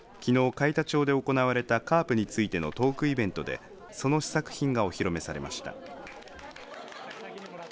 海田町で行われたカープについてのトークイベントでその試作品がお披露目されました。